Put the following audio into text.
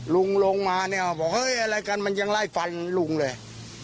ลุงลงมาเนี่ยบอกเฮ้ยอะไรกันมันยังไล่ฟันลุงเลย